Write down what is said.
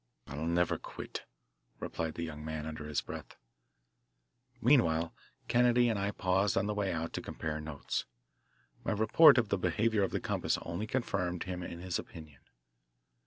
"I'll never quit," replied the young man under his breath. Meanwhile Kennedy and I paused on the way out to compare notes. My report of the behaviour of the compass only confirmed him in his opinion.